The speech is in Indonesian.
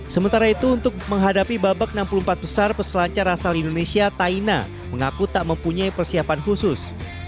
sementara itu untuk menghadapi babak enam puluh empat besar peselancar asal indonesia taina mengaku tak mempunyai persiapan khusus